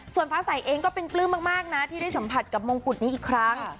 ส่วนพระสัยเองก็เป็นปลื้มมากนะที่ได้สัมผัสกับมงกุฎนี้อีกครั้ง